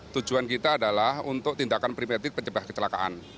tujuan kita adalah untuk tindakan preventif penyebab kecelakaan